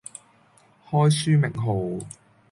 開書名號